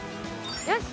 よし！